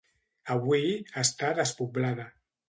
Avui està despoblada.